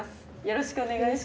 よろしくお願いします